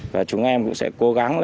và chúng em cũng sẽ cố gắng